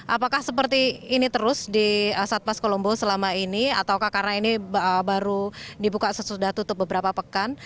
apakah seperti ini terus di satpas kolombo selama ini atau karena ini baru dibuka sesudah tutup beberapa pekan